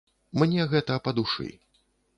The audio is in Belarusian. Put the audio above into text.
Мне гэта па душы.